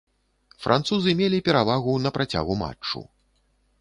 Французы мелі перавагу на працягу матчу.